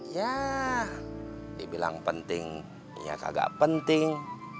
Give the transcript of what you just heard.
ya dibilang penting ya kagak penting